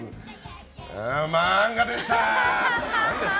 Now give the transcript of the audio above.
漫画でした！